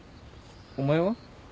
お前は？